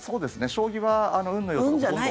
将棋は運の要素はほとんど。